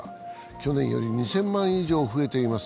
去年より２０００万以上増えています。